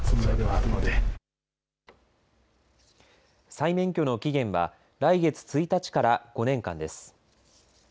再免許の期限は来月１日から５年間です。